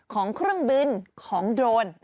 ของเครื่องบินของโดรน